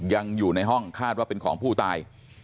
อยู่ในห้องคาดว่าเป็นของผู้ตาย